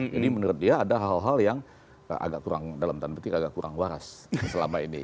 jadi menurut dia ada hal hal yang dalam tanda petik agak kurang waras selama ini